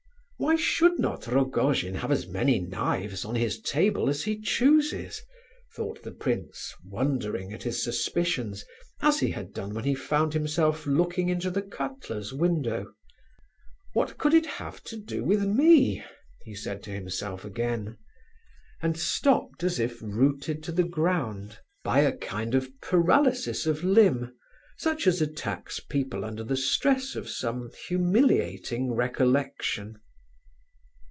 "Why should not Rogojin have as many knives on his table as he chooses?" thought the prince, wondering at his suspicions, as he had done when he found himself looking into the cutler's window. "What could it have to do with me?" he said to himself again, and stopped as if rooted to the ground by a kind of paralysis of limb such as attacks people under the stress of some humiliating recollection.